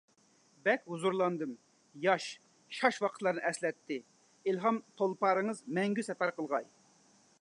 بەك ھۇزۇرلاندىم. ياش، شاش ۋاقىتلارنى ئەسلەتتى. ئىلھام تولپارىڭىز مەڭگۈ سەپەر قىلغاي.